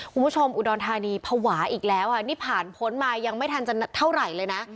อุดรธานีภาวะอีกแล้วอ่ะนี่ผ่านพ้นมายังไม่ทันจะเท่าไหร่เลยนะ